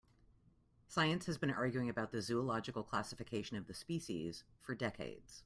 Science has been arguing about the zoological classification of the species for decades.